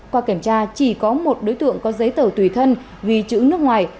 qua kiểm tra chỉ có một đối tượng có giấy tờ tùy thân ghi chữ nước ngoài